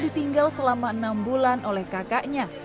ditinggal selama enam bulan oleh kakaknya